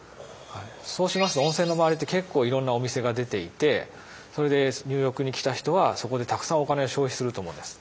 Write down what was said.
そうしますと温泉の周りって結構いろんなお店が出ていてそれで入浴に来た人はそこでたくさんお金を消費すると思うんです。